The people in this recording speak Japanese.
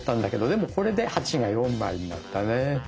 でもこれで「８」が４枚になったね。